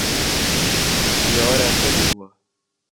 گے اور ایسا ہی ہوا۔